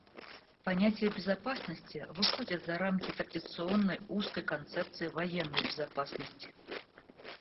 Понятие безопасности выходит за рамки традиционной узкой концепции военной безопасности.